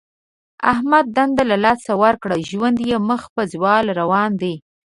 احمد دنده له لاسه ورکړه. ژوند یې مخ په زوال روان دی.